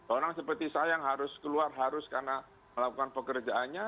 orang seperti saya yang harus keluar harus karena melakukan pekerjaannya